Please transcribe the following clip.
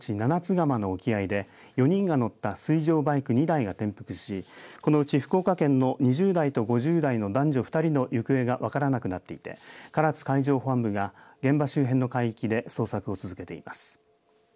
釜の沖合で４人が乗った水上バイク２台が転覆しこのうち福岡県の２０代と５０代の男女２人の行方が分からなくなっていて唐津海上保安部が現場周辺の海域で捜索を続けています。